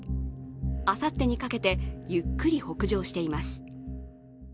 あさってにかけてゆっくり北上しています。